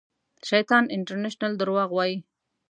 شیطان انټرنېشنل درواغ وایي